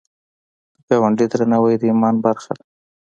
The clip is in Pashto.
د ګاونډي درناوی د ایمان برخه ده